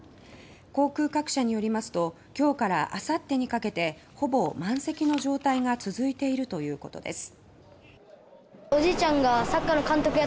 航空各社によりますと今日からあさってにかけてほぼ満席の状態が続いているということです。